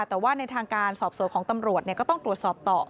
แต่ว่าในทางการสอบสวนของตำรวจก็ต้องตรวจสอบต่อ